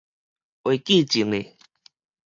會見眾得